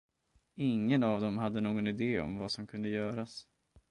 Ingen av dem hade någon idé om vad som kunde göras.